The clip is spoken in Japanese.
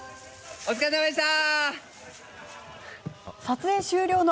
お疲れさまでした！